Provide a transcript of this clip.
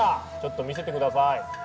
ちょっと見せて下さい。